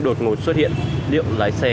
đột ngột xuất hiện liệu lái xe